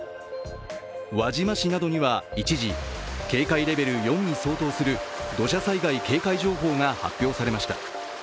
輪島市などには一時警戒レベル４に相当する土砂災害警戒情報が発表されました。